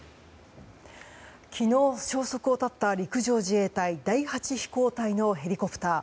昨日、消息を絶った陸上自衛隊第８飛行隊のヘリコプター。